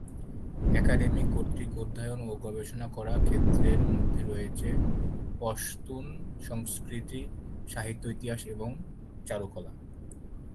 Academy কর্তৃক অধ্যয়ন ও গবেষণা করা ক্ষেত্রের মধ্যে রয়েছে পশতুন সংস্কৃতি, সাহিত্য, ইতিহাস এবং চারুকলা।